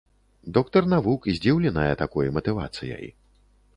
Доктар навук здзіўленая такой матывацыяй.